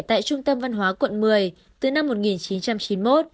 tại trung tâm văn hóa quận một mươi từ năm một nghìn chín trăm chín mươi một